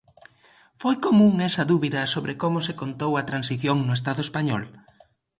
Foi común esa dúbida sobre como se contou a Transición no Estado español?